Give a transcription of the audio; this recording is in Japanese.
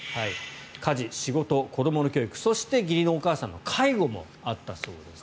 家事、仕事、子どもの教育そして義理のお母さんの介護もあったそうです。